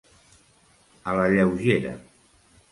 A la lleugera.